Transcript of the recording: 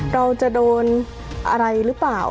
เราจะโดนอะไรหรือเปล่า